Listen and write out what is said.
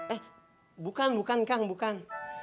eh bukan bukan kang bukan